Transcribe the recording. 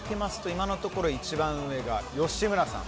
今のところ一番上が吉村さん